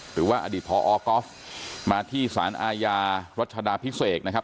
หรือว่าอดีตพอก๊อฟมาที่สารอาญารัชดาพิเศษนะครับ